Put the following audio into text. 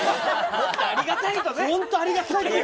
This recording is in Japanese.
もっとありがたいとね。